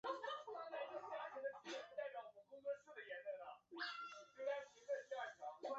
京都精华大学短期大学部是过去一所位于日本京都府京都市左京区的私立短期大学。